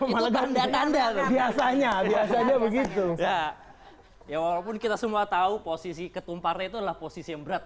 biasanya biasanya begitu ya walaupun kita semua tahu posisi ketumpar itu adalah posisi yang berat